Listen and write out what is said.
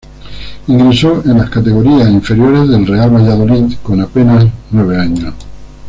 Ingresó en las categorías inferiores del Real Valladolid con apenas nueve años.